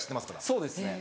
そうですね。